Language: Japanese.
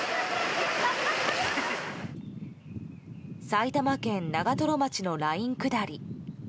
埼玉県長瀞町のライン下り。